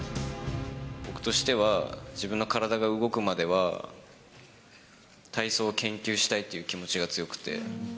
僕としては、自分の体が動くまでは、体操を研究したいという気持ちが強くて。